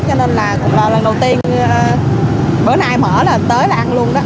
cho nên là lần đầu tiên bữa ai mở là tới là ăn luôn đó